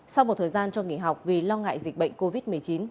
sau một thời gian cho nghỉ học vì lo ngại dịch bệnh covid một mươi chín